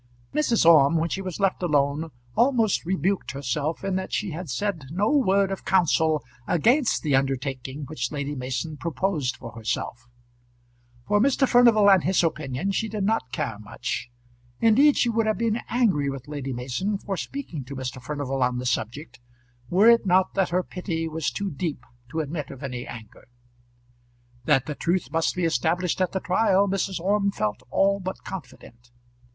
Mrs. Orme, when she was left alone, almost rebuked herself in that she had said no word of counsel against the undertaking which Lady Mason proposed for herself. For Mr. Furnival and his opinion she did not care much. Indeed, she would have been angry with Lady Mason for speaking to Mr. Furnival on the subject, were it not that her pity was too deep to admit of any anger. That the truth must be established at the trial Mrs. Orme felt all but confident.